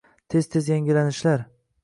Tez-tez yangilanishlar